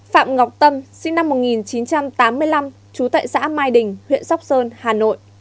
phạm ngọc tâm sinh năm một nghìn chín trăm tám mươi năm trú tại xã mai đình huyện sóc sơn hà nội